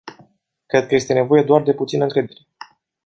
Cred că este nevoie doar de puțină încredere.